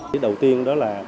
điều đầu tiên đó là